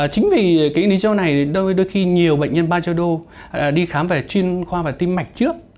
chính vì lý do này đôi khi nhiều bệnh nhân bajedo đi khám về chim khoa và tim mạch trước